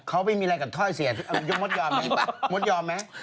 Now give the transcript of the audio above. เขาไม่มีอะไรกับท่อไอเสียมดยอมไหม